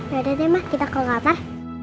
ya udah deh ma kita ke kamar